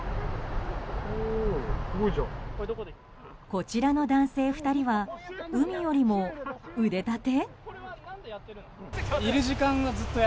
こちらの男性２人は海よりも腕立て？